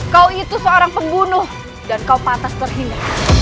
kau itu seorang pembunuh dan kau pantas terhina